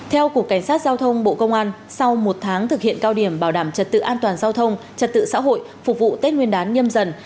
theo cục cảnh sát giao thông bộ công an sau một tháng thực hiện cao điểm bảo đảm trật tự an toàn giao thông trật tự xã hội phục vụ tết nguyên đán nhâm dần